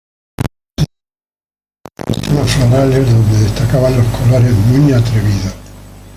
Se dedicó especialmente a los temas florales donde destacaban los colores muy atrevidos.